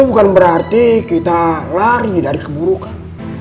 bukan berarti kita lari dari keburukan